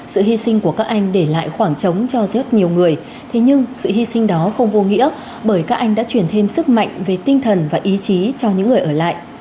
sự hy sinh của các anh để lại khoảng trống cho rất nhiều người thế nhưng sự hy sinh đó không vô nghĩa bởi các anh đã truyền thêm sức mạnh về tinh thần và ý chí cho những người ở lại